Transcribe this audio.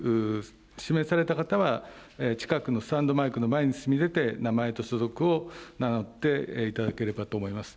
指名された方は、近くのスタンドマイクの前に進み出て、名前と所属を名乗っていただければと思います。